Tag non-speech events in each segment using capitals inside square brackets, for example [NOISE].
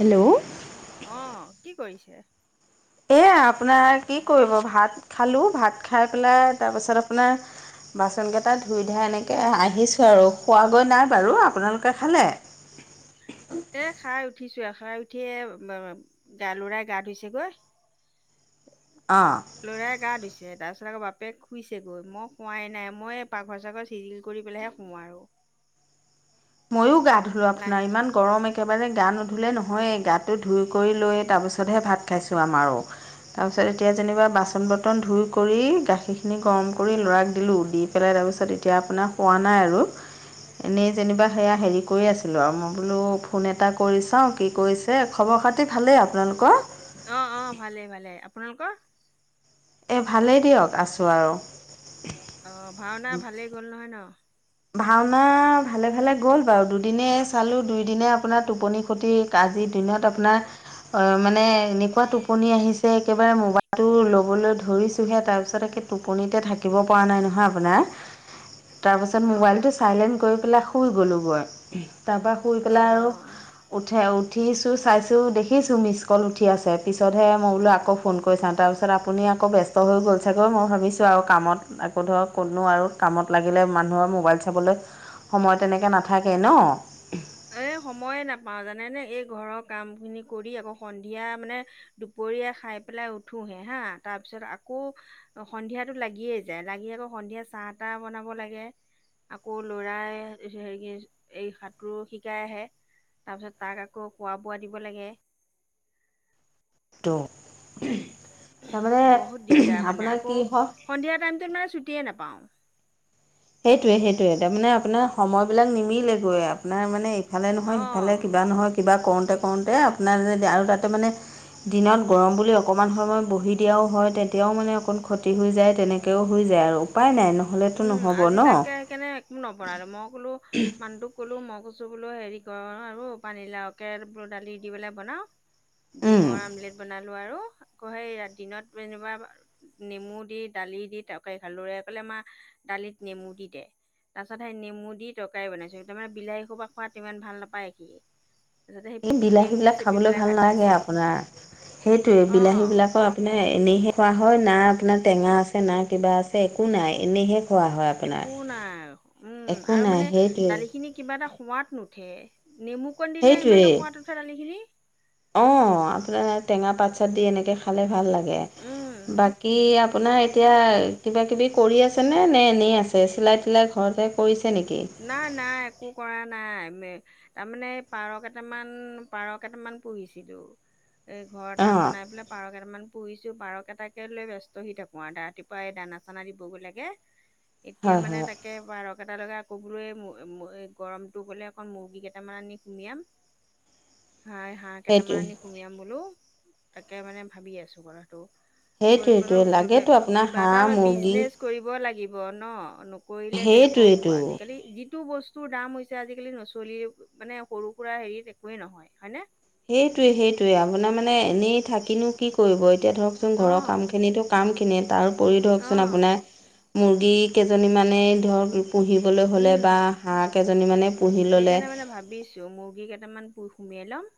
Hello! অ, কি কৰিছে? এই আপোনাৰ কি কৰিব, ভাত খালোঁ, ভাত খাই পেলাই, তাৰপিছত আপোনাৰ বাচন কেইটা ধুই-ধাই এনেকে আহিছো আৰু, খোৱাগৈ নাই বাৰু। আপোনালোকে খালে? এ, খাই উঠিছো, খাই উঠিয়ে গা ল'ৰাই গা ধুইছেগৈ। অ। ল'ৰাই গা ধুইছে, তাৰ পিছত আকৌ বাপেক শুইছেগৈ, মই খোৱাই নাই, মই পাকঘৰ-চাগঘৰ চিদিল কৰি পেলাইহে শুম আৰু। মইও গা ধুলো, লাহ আপোনাৰ ইমান গৰম একেবাৰে গা নুধুলে নহয়েই। গাত এইবোৰ ধুই কৰি লৈ, তাৰপিছতহে ভাত খাইছোঁ আমাৰো, তাৰপিছত এতিয়া যেনিবা বাচন-বৰ্তন ধুই কৰি, গাখীৰ গৰম কৰি উম, ল'ৰাক দিলোঁ। দি পেলাই, তাৰপিছত এতিয়া আপোনাৰ শুৱা নাই আৰু, এনেই যেনিবা সেয়া হেৰি কৰি আছিলোঁ, আৰু মই বোলো, ফোন এটা কৰি চাওঁ, কি কৰিছে? খবৰ-খাতি ভালেই। আপোনালোকৰ? অ, অ, ভালে, ভালে। আপোনালোকৰ? এই ভালেই দিয়ক, আছোঁ আৰু। অ, ভাওনা ভালেই গ'ল নহয় ন! ভাওনা ভালে-ভালে গ'ল বাৰু! দুদিনে চালোঁ, দুই দিনে আপোনাৰ টোপনি ক্ষতি, আজিৰ দিনত আপোনাৰ অ, মানে এনেকুৱা টোপনি আহিছে, একেবাৰে মোবাইলটো ল'বলৈ ধৰিছোঁহে, তাৰপিছত একে টোপনিতে থাকিব পৰা নাই নহয় আপোনাৰ! তাৰপাছত মোবাইলটো অ'। চাইলেণ্ট কৰি পেলাই শুই গ'লোঁ গৈ। তাৰপৰা শুই পেলাই আৰু অ'। উঠে উঠিছোঁ, চাইছোঁ, দেখিছোঁ, মিছ কল উঠি আছে, পিছতহে মই বোলো আকৌ ফোন কৰি চাওঁ। তাৰপিছত তাৰপিছত আপুনি আকৌ ব্যস্ত হৈ গ'ল চাগৈ মই ভাবিছোঁ আৰু কামত আকৌ ধৰক ক'তনো আৰু কামত লাগিলে মান ম মোবাইল, চাবলৈ সময় তেনেকৈ নাথাকে ন। এ সময়ে নাপাওঁ জানে নে এই ঘৰৰ কাম খিনি কৰি আকৌ সন্ধিয়া, মানে। দুপৰীয়া, খাই পেলাই উঠোহে হা তাৰ পিছত আকৌ সন্ধিয়াতো লাগিয়ে যায় লাগি আকৌ সন্ধিয়া চাহ- তাহ বনাব লাগে। আকৌ ল'ৰাই [UNINTELLIGIBLE] কোৰু শিকাই আহে তাৰ পিছত তাক আকৌ খোৱা বোৱা দিব লাগে। তো তাৰমানে বহুত দিগদাৰ মানে আপোনাৰ কি আকৌ হয় সন্ধিয়া টাইমত মানে ছুটিয়ে নাপাওঁ। সেইটোৱে সেইটোৱে তাৰ মমানে আপোনাৰ সময়বিলাক নিমিলেগৈ আপোনাৰ মানে সিফালে নহয় সিফালে অ কিবা নহয় কিবা কৰোঁতে কৰোঁতে আপোনাৰ যদি আৰু তাতে মানে দিনত গৰম, বুলি অকণমান সময় বহি দিয়াও হয় তেতিয়াও মানে অকণ ক্ষতি হৈ যায়। তেনেকৈ তাকেও হৈ যায় আৰু উপায় নাই নহ'লেতো নহয়। উ আজি তাকে সেই কেনে একো নবনালো মই ক'লো মানুহটোক ক'লো মই কৈচো বোলো হেৰি কৰ আৰু পানীলাও, কে ব দালি দি পেলাই বনাও। উম, ডিমৰ, আমলেট বনালো আৰু আকৌ সেই ৰাতি দিনত যেনিবা। নেমু, দি দালি, দি তৰকাৰী খালো ল'ৰাই ক'লে মা দালিত নেমু, দি দে। তাৰ পাছত সেই নেমু, দি তৰকাৰী বনাইছো তাৰমানে বিলাহী, খোপাৰ পৰা খোৱাত ইমান ভাল নাপায়। সি তাৰপিছতে সেই এই নেমু বিলাহীবিলাক, চেপি খাবলৈ পেলাই ভাল ভাত নালাগে খাইছে আপোনাৰ সেইটোৱে অ বিলাহীবিলাকৰ, ইনেই এনেইহে খোৱা হয় না আপোনাৰ টেঙা, আছে না কিবা আছে একো নাই এনেইহে খোৱা হয়। আপোনাৰ একো নাই উম একো আৰু নাই মানে সেইটোৱেই দালিখি খিনি কিবা এটা সোৱাদ নুঠে নেমুকণ, দিলে ইমান এটা সেইটোৱেই সোৱাদ উঠে দালিখিনি। অঁ আপোনাৰ টেঙা, পাত -চাত দি এনেকৈ খালে ভাল লাগে। উম বাক কি আপোনাৰ এতিয়া কিবা- কিবি কৰি আছেনে নে এনেই আছে চিলাই- তিলাই ঘৰতে কৰিছে নেকি? নাই নাই একো কৰা নাই। মে তাৰমানে পাৰ, কেইটামান পাৰ, কটামান পুহিছিলো। এই ঘৰ এটা অঁ বনাই পেলায় পিনে পাৰ, কেইটামান পুহৰিছো পাৰকেইটাকে, লৈ ব্যস্ত হৈ থাকো আৰু ৰাতিপুৱা এই দানা- চানা দিবগৈ লাগে। এতিয়া হয় মানে হয় তাকে পাৰ, কেইটা লৈকে সো গৰমটো গ'লে অক মুৰ্গী, কেইটামান আনি সুমিয়াম। হাই হাঁহ, সেইটোৱে কেইটামান সুমিয়াম বোলো তাকে মানে ভাবি আছো কথাটো। কৰিব সেইটোৱেইটোৱে লাগেতো আপোনাৰ কিবা এটা হাঁহ মুৰ্গী বিজনেচ, কৰিব লাগিব ন। কৰিলে কেনেকুৱা হ'ব সেইটোৱেইটো আজি্ যি যিটো বস্তুৰ দাম হৈছে। আজিকালি ন'চলীলে মানে সৰু সুৰা হেৰিত একোৱেই নহয় হয়নে। সেইটোৱে সেইটোৱে আপোনাৰ মানে এনেই থাকিনো কি কৰিব এতিয়া ধৰকচোন অ ঘৰৰ কাম খিনিতো কামখিনিয়ে তাৰ উপৰিও অ ধৰকচোন আপোনাৰ মুৰ্গী, কেইজনীমানেই ধৰক পুহিবলৈ হ'লে উম বা হাঁহ, কেইজনী মানে সেইকাৰণে মানে ভাবিছো মুৰ্গী, কেইটামান পু সুমিয়াই ল'ম।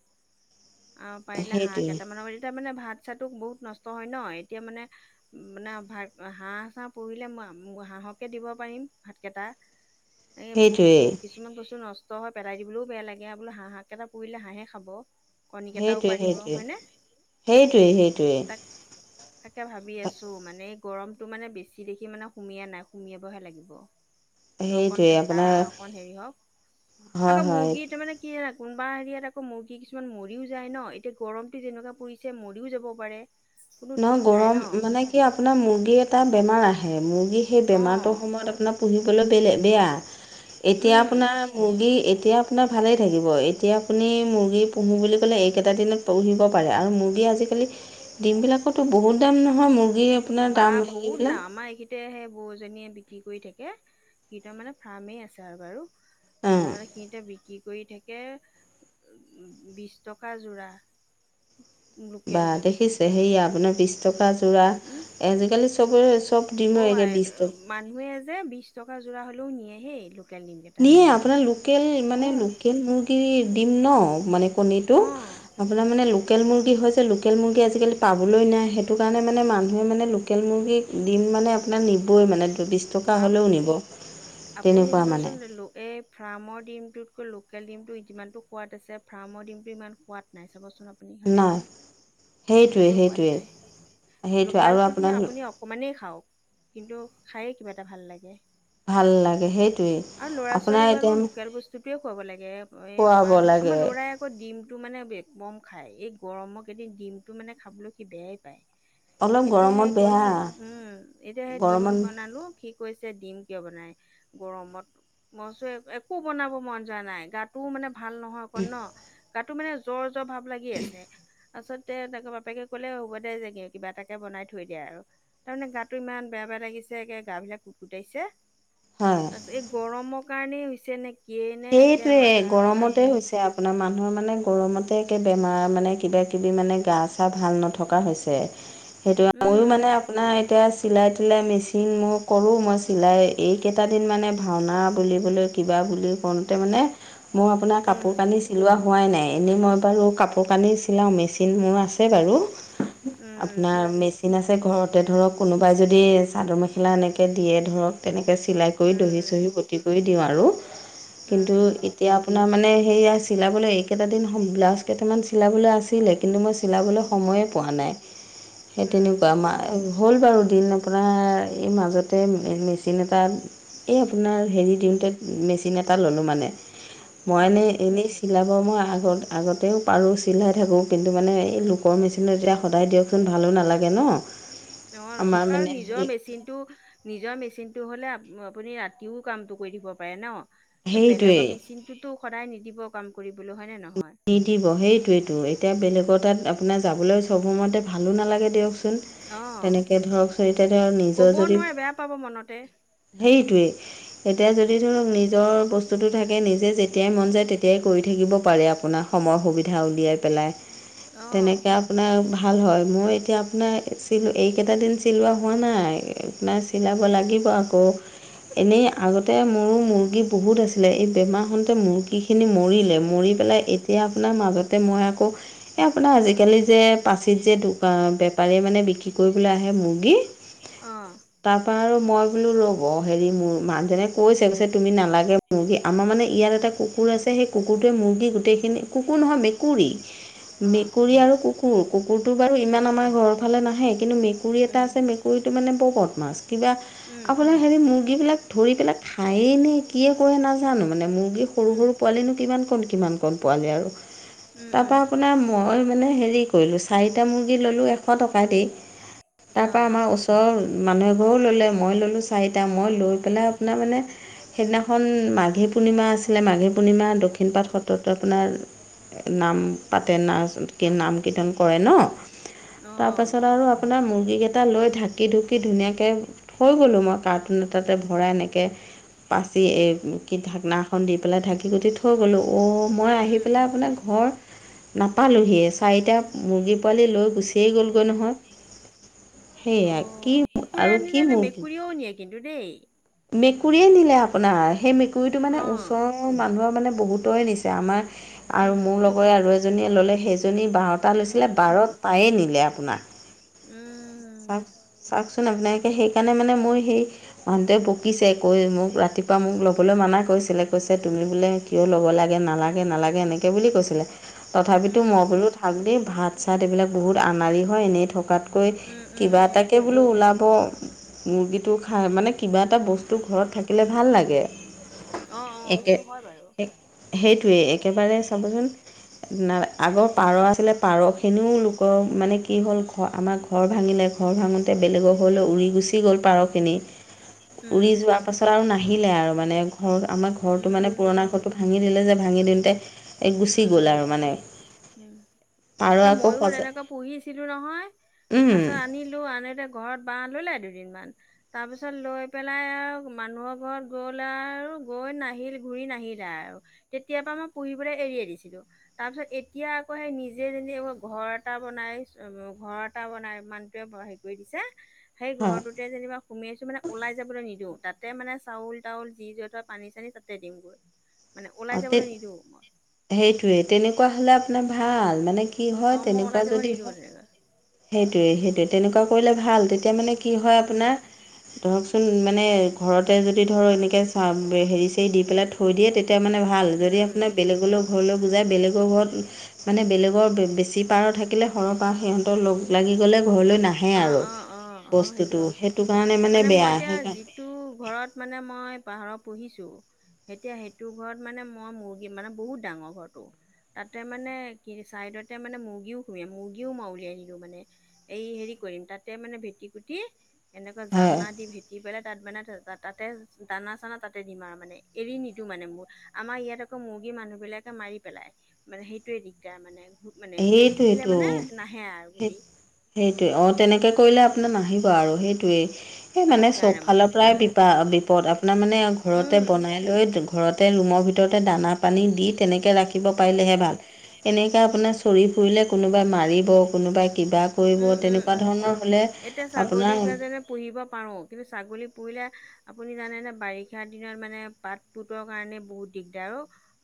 আৰু পাৰিলে হাঁহ, সেইটোৱে কেইটামানৰ এতিয়া মানে ভাত- চাতো বহুত নষ্ট হয় ন এতিয়া মানে। মানে ভাত হাঁহ, চাঁহ পুহিলে মই হাঁহকে, দিব পাৰিম ভাত, কেইটা। [INAUDIBLE] এই বহুত কিছুমান বস্তু নষ্ট হয়। পেলাই দিবলৈও বেয়া লাগে আৰু বোলে হাঁহাক, এটা পুৰিলে হাঁহে, খাব। কণীকেইটাও, সেইটোৱে পাৰিব সেইটোৱে হয়নে। সেইটোৱে তাক সেইটোৱে তাকে ভাবি আছো, মানে এই গৰমতটো মানে বেছি দেখি মানে সুমিয়া নাই, সুমিয়াবহে লাগিব। ৰ অকণ সেইটোৱে ঠাণ্ডা আপোনাৰ অকণ হেৰি হওক হয় আকৌ হয় মুৰ্গীটো মানে কি কোনোবা হেৰিয়াত আকৌ মুৰ্গী কিছুমান মৰিও যায় ন, এতিয়া গৰমটো যেনেকুৱা পৰিছে মৰিও যাব পাৰে। কোনো ইমান ঠিক নাই ন গৰম মানে কি আপোনাৰ মুৰ্গী এটা বেমাৰ আহে, মুৰ্গী সেই অ বেমাৰটোৰ সময়ত আপোনাৰ পুহিবলৈ বেলেগ, বেয়া। এতিয়া উম আপোনাৰ মুৰ্গী, এতিয়া আপোনাৰ ভালেই থাকিব, এতিয়া আপুনি মুৰ্গী পুহো বুলি ক'লে এইকেইটা দিনত পুহিব পাৰে, আৰু মুৰ্গী আজিকালি ডিম বিলাকো বহুত দাম নহয়, মোৰ বা বহুত দাম আমাৰ এইখিনি তে সেই বৌজনীয়ে বিক্ৰী কৰি থাকে, সিহঁতৰ মানে ফাৰ্মেই আছে আৰু বাৰু। অ তাৰমানে সিহঁতে বিক্ৰী কৰি থাকে, বিশ টকা যোৰা। বা লোকেল ডিম দেখিছে সেয়া আপোনাৰ বিশ টকা যোৰা, উম আজিকালি চবৰে চবপ দিম অ আই এ বিজ ত মানুহে যে বিশ টকা যোৰা হ'লেও নিয়ে হেই। লোকেল ডিমকেইটা নে আপোনাৰ লোকেল, অ মানে লোকেল মুৰ্গী দিম ন মানে কণীটো, অ আপোনাৰ মানে লোকেল মুৰ্গী হৈছে, লোকেল মুৰ্গী আজিকালি পাবলৈ নাই, সেইটো কাৰণে মানে মানুহে মানে লোকেল মুৰ্গী দিম মানে আপোনাৰ নিবই মানে বিশ টকা আপ হ'লেও নিব। আপুনি তেনেকুৱা মানে চাবচোন লোক এ‌ ফ্ৰামৰ ডিমটোতকৈ লোকেল ডিমটো যিমানটো সোৱাদ আছে, ফ্ৰামৰ ডিমটো ইমান সোৱাদ নাই চাবচোন আ পুনি, হয়নে নাই নহয়, সেইটোৱে একো সোৱাদ সেইটোৱে নাই সেইটোৱে আৰু লোকেলটো, আপোনাৰ তুমি আপুনি অকমানেই খাওঁ, কিন্তু খায়েই কিবা এটা ভাল লাগে। ভাল লাগে সেইটোৱে আৰু ল'ৰা আপোনাৰ ছোৱালীক বাৰু এতিয়া লোকেল বস্তুটোৱে খুৱাব লাগে। অ', এই খুৱাব আমাৰ, আমাৰ লাগে লৰাই আকৌ ডিমটো মানে এক কম খায়, এই গৰমৰ কেইদিন ডিমটো মানে খাবলৈ সি বেয়াই পায়। অলপ এতিয়াহে গৰমত কৈছে, বেয়া উম, এতিয়াহে দিম গৰমত বনালো কি কৈছে দিম কিয় বনাই, গৰমত, মই কৈছো একো বনাব মন যোৱা নাই, গাত টো মানে ভাল নহয় অকণ ন, গাটো মানে জ্বৰ, জ্বৰ ভাৱ লাগি আছে। তাৰপিছতে তাৰ বাপেকে ক'লে হ'ব দে যাগে কিবা এটাকে বনাই থৈ দিয়া আৰু তাৰমানে গাটো ইমান বেয়া, বেয়া লাগি আছে, একে গা বিলাক কুট কুটাইছে। হয়। এই গৰমৰ কাৰণেই হৈছে নে, কিয়ে নে, একে সেইটোৱে মাথা চাথা গৰমতে বিষ। হৈছে আপোনাৰ মানুহৰ মানে গৰমতে একে বেমাৰ মানে কিবা কিবি মানে গা চা ভাল নথকা হৈছে সেইটোৱে ময়ো উম মানে আপোনাৰ এতিয়া চিলাই থিলাই মেচিন মই কৰোঁ, মই চিলাই এইকেইটা দিন মানে ভাওনা বুলিবলৈ কিবা বুলি হওঁতে মানে, মোৰ আপোনাৰ উম কাপোৰ কানি চিলোৱা হোৱাই নাই, এনেই মই বাৰু কাপোৰ কানি চিলাওঁ, মেচিন মোৰ আছে বাৰু উম উম আপোনাৰ মেচি চিন আছে ঘৰতে, ধৰক কোনোবাই যদি চাদৰ মেখেলা এনেকৈ দিয়ে ধৰক তেনেকৈ চিলাই কৰি দহি উম চহি গুঠি কৰি দিওঁ আৰু, উম কিন্তু এতিয়া আপোনাৰ মানে সেইয়া চিলাবলৈ এইকেইটা দিন ব্লাউজ কেইটামান চিলাবলৈ আছিলে কিন্তু মই চিলাবলৈ উম উম উম সময়ে পোৱা নাই, সেই তেনেকুৱা মা এই হ'ল বাৰু দিন আপোনাৰ এই মাজতে মেচিন এটা এই আপোনাৰ হেৰি দিওঁতে মেচিন এটা ল'লোঁ মানে, উম মইনে উম এনেই চিলাব মই আগত আগতেও পাৰোঁ চিলাই থাকোঁ কিন্তু মানে এই লোকৰ মেচিনত যেতিয়া সদায় দিয়কচোন ভালো নালাগে ন' অ আমাৰ আৰু মানে নিজৰ এই মেচিনটো নিজৰ মেচিনটো হ'লে আপ-আপুনি ৰাতিও কামটো কৰি থাকিব পাৰে ন' এহ সেইটোৱেই বেলেগৰ মেচিন টোতো সদায় নিদিব কাম কৰিবলৈ হয়নে নহয়। নিদিব সেইটোৱেটো এতিয়া বেলেগৰ তাত আপোনাৰ যাবলৈ চব সময়তে ভালো নালাগে দিয়কচোন। অ তেনেকে ধৰক চ' এতিয়াটো আৰু নিজৰ ক'ব যদি নোৱাৰে বেয়া পাব মনতে সেইটোৱে। এতিয়া যদি ধৰক নিজৰ বস্তুটো থাকে নিজে যেতিয়াই মন যায় তেতিয়াই কৰি থাকিব পাৰে আপ আপোনাৰ সময় সুবিধা উলিয়াই পেলাই অ তেনেকে আপোনাৰ ভাল হয় মই এতিয়া আপোনাৰ চিল এইকেইটা দিন চিলোৱা হোৱা নাই আপোনাৰ চিলাব লাগিব আকৌ। এনেই আগতে মোৰো মুৰ্গী বহুত আছিলে এই বেমাৰ হওঁতে মুৰ্গী খিনি মৰিলে মৰি পেলাই এতিয়া আপোনাৰ মাজতে মই আকৌ এই আপোনাৰ আজিকালি যে পাচিত যে বেপাৰীয়ে মানে বিক্ৰী কৰিবলৈ আহে মুৰ্গী। অ তাৰ পৰা আৰু মই বোলো লওঁ অ', হেৰি মোৰ মানুহজনে কৈছে কৈছে তুমি নালাগে মুৰ্গী আমাৰ মানে ইয়াত এটা কুকুৰ আছে সেই কুকুৰটোৱে মুৰ্গী গোটেইখিনি কুকুৰ নহয় মেকুৰী। অ মেকুৰী আৰু কুকুৰ, কুকুৰটো বাৰু উম ইমান আমাৰ ঘৰৰ ফালে নাহে কিন্তু মেকুৰী এটা উম আছে মে কুৰীটো মানে বৰ বোদমাছ কিবা উম আপোনাৰ উম হেৰি মুৰ্গীবিলাক ধৰি পেলাই খায়েই নে কিয়ে কৰে নাজানো মানে মুৰ্গী সৰু উম সৰু পোৱালিনো কিমান কণ কিমান ক কণ পোৱালি আৰু উম তাৰপৰা উম আপোনাৰ মই মানে হেৰি কৰিলো চাৰিটা মুৰ্গী ল'লো এশ টকা দি অ তাৰপৰা আমাৰ ওচ ৰৰ মানুহ এঘৰো ল'লে মই ল'লো চাৰিটা, মই অ লৈ পেলাই আপোনাৰ মানে সেইদিনাখন মাঘী পূৰ্ণিমা আছিলে, মাঘী পূৰ্ণিমা দক্ষিণ পাট সত্ৰ আমাৰ নাম পাতে না কি নাম কীৰ্তন কৰে ন' অ অ তাৰপিছত আৰু আপোনাৰ মুৰ্গী কেইটা লৈ ঢাকি ঢু কি ধুনীয়াকে থৈ গ'লো মই কাৰ্টুনৰ তাতে ভৰাই এনেকে পাচি এ কি ঢাকনা এখন দি পেলাই ঢাকি ঢুকি থৈ গ'লো অ'। মই আহি উম পেলাই উম আপোনাৰ ঘৰ নাপালোঁ হিয়ে চাৰিটা মুৰ্গী পোৱালি লৈ গুচিয়েই গ'লগৈ নহয়। সেয়া কি অ', কুকুৰে আৰু কি নিলে নে মুৰ্গী মেকুৰীয়েও নিয়ে কিন্তু দেই। মেকুৰীয়ে নিলে আপোনাৰ সেই মেকুৰীটো অ মানে ওচৰ ৰ মানুহৰ মানে বহুতৰে নিছে আমাৰ আৰু উম মোৰ লগৰে আৰু এজনীৰ ল'লে সেইজনী বাৰ টা উম লৈছিলে উম বাৰটায়ে নিলে আপোনাৰ। উম। চাওঁক, চাওঁকচোন আপোনালোকে সেইকাৰণে মানে মই সেই মানুহটোৱে বকিছে কৈ মোক ৰাতিপুৱা মোক ল'বলৈ মানা কৰিছিলে কৈছে তুমি বোলে কিয় ল'ব লাগে, নালাগে, নালাগে এনেকৈ বুলি কৈছিলে। তথাপিতো উম মই বোলো থাক দেই ভাত চাত এইবিলাক বহুত আনাৰি হয় এনেই থকাতকৈ উম উম কিবা উম এটাকে বোলো ওলাব। মুৰ্গীটো খাই মানে কিবা এটা বস্তু ঘৰত থাকিলে ভাল লাগে। অ', অ', একে সেইটো হয় বাৰু। এক সেইটোৱেই একেবাৰে চাবচোন। না আগৰ পাৰ আছিলে পাৰখিনিও লোকৰ মানে কি হ'ল ঘ আমাৰ ঘৰ ভাঙিলে। ঘৰ ভাঙোতে বেলেগৰ ঘৰলৈ উৰি গুচি গ'ল পাৰখিনি উৰি উম যোৱা পাছত আৰু নাহিলে আৰু মানে ঘৰ আমাৰ ঘৰটো মানে পুৰণা উম ঘৰটো ভাঙি দিলে যে, ভাঙি দিওঁতে এই উম গুচি গ'ল উম, আৰু মানে উম। পাৰ এ আকৌ মই সজা তেনেকৈ পুহিছিলো নহয়, উম পাছত আনিলো আনেতে ঘৰত বাঁহ ললে দুদিনমান। তাৰপিছত লৈ পেলাই আও মানুহৰ ঘৰত গ'লে আৰু গৈ নাহিল ঘূৰি নাহিলে আৰু। তেতিয়াৰ পৰা মই পুহিবলে এৰিয়ে দিছিলো। তাৰ পিছত এতিয়া আকৌ সেই নিজে নিজে ঘৰ এটা বনাই ঘৰ এটা বনাই মানুটোৱে কৰি দিছে, সেই হয় ঘৰটোত তাতে যেনিবা সোমাইছো মানে ওলাই যাবলৈ নিদিওঁ তাতে মানে চাউল তাউল যি যত পানী চানী তাতে দিম গৈ। [UNINTELLIGIBLE] মানে ওলাই যাবলৈ নিদিওঁ। সেইটোৱে তেনেকুৱা হ'লে আপোনাৰ ভাল, মানে কি? কি হয়, অ মই তেনেকুৱা ওলাই যাব যদি নিদিওঁ হয়। তেনেকৈ সেইটোৱে সেইটোৱে তেনেকুৱা কৰিলে ভাল, তেতিয়া মানে কি হয়, উম আপোনাৰ ধৰকচোন মানে ঘৰতে যদি ধৰ এনেকে চাব হেৰি চেৰি দি পেলাই থৈ দিয়ে তে তেতিয়া মানে ভাল উম যদি উম আপোনাৰ বেলেগলৈ ঘৰলৈ বুজাই বেলেগৰ ঘৰত মানে বেলেগৰ বেছি পাৰ থাকিলে সৰহৰ পাৰ সিহঁতৰ লগ লাগি গ'লে ঘৰলৈ নাহে অ', আৰু, অ', অ', অ', বস্তুটো সেইটো কাৰণে মানে বেয়া। সেইকাৰণ তো ঘৰত মানে মই পাহাৰ পুহিছো। এতিয়া সেইটো ঘৰত মানে মই মুৰ্গী মানে বহুত ডাঙৰ ঘৰতটো। তাতে মানে কি চাইডতে মানে মুৰ্গীও শুৱে মুৰ্গীও উলিয়াই নিদো মানে। এই হেৰি কৰিম তাতে মানে ভেটি পুটি এনেকুৱা হয় জালনা দি ভেটি পেলাই তাত মানে তাতে দানা চানা তাতে দিম আৰু মানে এৰি নিদো মানে মোৰ আমাৰ ইয়াত আকৌ মুৰ্গী মানুহ বিলাক মাৰি পেলাই মানে সেইটোৱে দিগদাৰ মানে এৰি সেইটো দিলে সেইটো মানে নাহে আৰু সেই ঘূৰি। সেইটোৱে অ তেনেকে কৰিলে আপোনাৰ নাহিব আৰু সেইটোৱেই। সেই মানে চ'ব সেইকাৰণে মানে ফালৰ পৰাই বিপা বিপদ আপোনাৰ মানে ঘৰতে উম। বনাই লৈ ঘৰতে ৰুমৰ ভিতৰতে দানা পানী দি তেনেকে ৰাখিব পাৰিলেহে ভাল। এনেকা আপোনাৰ চৰি ফুৰিলে কোনোবাই মাৰিব কোনোবাই কিবা কৰিব উম উম তেনেকুৱা উম ধৰণৰ হ'লে এতিয়া ছাগলী আপোনাৰ কেইজনী পুহিব পাৰোঁ, কিন্তু ছাগলী পুহিলে আপুনি জানেনে বাৰিষাৰ দিনত মানে পাত পুতৰ কাৰণে বহুত দিগদাৰ অ'।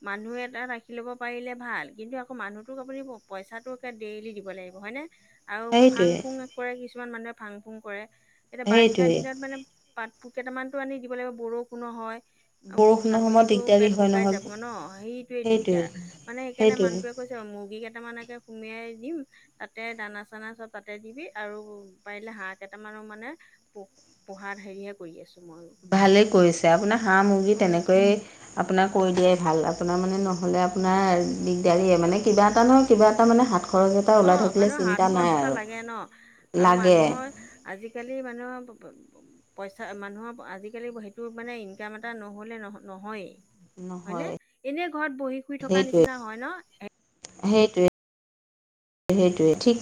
মানুহ এটা ৰাখি ল'ব পাৰিলে ভাল, কিন্তু আকৌ মানুহটোক আপুনি পইচাটো ডেইলি দিব লাগিব। হয়নে। আৰু ফাং সেইটোৱে ফুং কৰে কিছুমান মানুহে ফাং ফুং কৰে এতিয়া বাৰিষা সেইটোৱে দিনত মানে পাত কেইটামানতো আনি দিব লাগিব বৰষুণো হয়। আৰু বৰষুণৰ সময়ত ছাগলীতটো দিগদাৰী পেট হয় শুকাই নহয় যাব ন সেইটোৱে দিগদাৰ, মানে সেইকাৰণে সেইটোৱে মানুহটোৱে কৈছে মুৰ্গী কেইটামানকে সুমিয়াই দিম তাতে দানা দানা চ'ব তাতে দিবি আৰু পাৰিলে হাঁহ কেইটামানো মানে প পোহাত হে কৰি আছোঁ মইয়ো। ভালে কৰিছে, আপোনাৰ হাঁহ মুৰ্গী উম তেনেকৈয়ে আপোনাৰ কৈ দিয়াই ভাল আপোনাৰ মানে নহ'লে আপোনাৰ দিগদাৰিয় মানে কিবা এটা নহয় কিবা এটা মানে হাত খৰচ এটা ওলাই অ', থাকিলে মানুহৰ চিন্তা হাত নাই খৰচ এটা আৰু লাগে ন আৰু লাগে মানুহৰ আজিকালি মানুহ পইচা মানুহৰ আজিকালি সেইটো মানে ইনকাম এটা নহলে নহ নহয়েই এই। হয় নহয় নে? এনে ঘৰত বহি শুই থকা সেইটোৱে নিচিনা হয় ন। সেইটোৱে সেইটোৱে ঠিকে